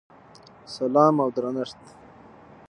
سلام او درنښت!!!